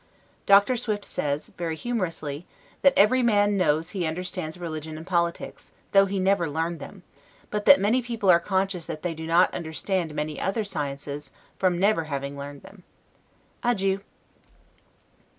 Dr. Swift says, very humorously, that "Every man knows that he understands religion and politics, though he never learned them; but that many people are conscious that they do not understand many other sciences, from having never learned them." Adieu.